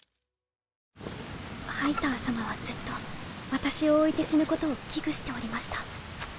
ハイター様はずっと私を置いて死ぬことを危惧しておりました。